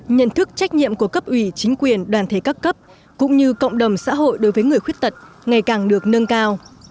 nhận thức trách nhiệm của cấp ủy chính quyền đoàn thể các cấp cũng như cộng đồng xã hội đối với người khuyết tật ngày càng được nâng cao